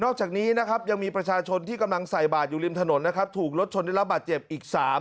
จากนี้นะครับยังมีประชาชนที่กำลังใส่บาทอยู่ริมถนนนะครับถูกรถชนได้รับบาดเจ็บอีก๓